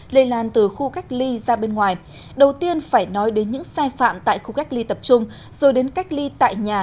lây lan từ khu cách ly ra bên ngoài đầu tiên phải nói đến những sai phạm tại khu cách ly tập trung rồi đến cách ly tại nhà